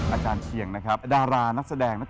อาจารย์เชียงดารานักแสดงนักธุรกิจเป็นลูกศิษย์เยอะมากนะครับ